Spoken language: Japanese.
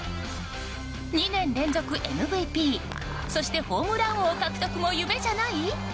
２年連続ＭＶＰ、そしてホームラン王獲得も夢じゃない？